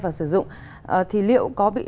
và sử dụng thì liệu có bị